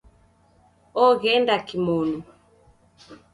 Ogh'ende kimonu